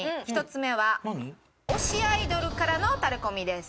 １つ目は推しアイドルからのタレコミです。